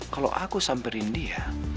kalau aku samperin dia